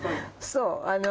そう。